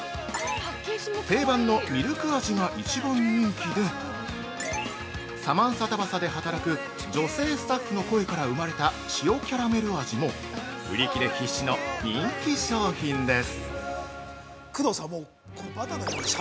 定番の「ミルク味」が一番人気でサマンサタバサで働く女性スタッフの声から生まれた「塩キャラメル味」も売り切れ必至の人気商品です。